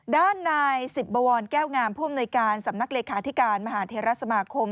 ด้านรายสิทธิ์บะวรแก้วงามพวงโนยการสำนักรีขาแหทธิการมหาเทราสมหาคม